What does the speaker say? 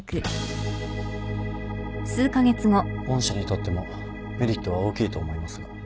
御社にとってもメリットは大きいと思いますが。